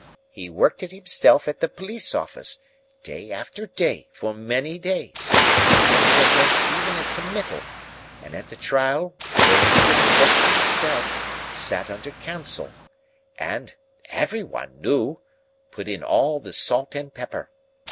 He worked it himself at the police office, day after day for many days, contending against even a committal; and at the trial where he couldn't work it himself, sat under counsel, and—every one knew—put in all the salt and pepper.